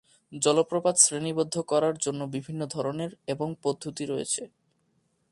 জলপ্রপাত শ্রেণীবদ্ধ করার জন্য বিভিন্ন ধরনের এবং পদ্ধতি আছে।